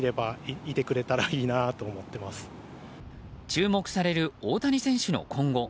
注目される大谷選手の今後。